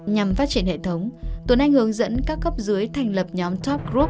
nhằm phát triển hệ thống tuấn anh hướng dẫn các cấp dưới thành lập nhóm top group